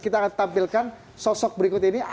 kita akan tampilkan sosok berikut ini